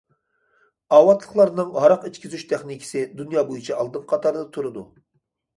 ئاۋاتلىقلارنىڭ ھاراق ئىچكۈزۈش تېخنىكىسى دۇنيا بويىچە ئالدىنقى قاتاردا تۇرىدۇ.